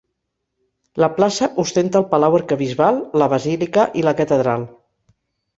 La plaça ostenta el Palau arquebisbal, la basílica i la catedral.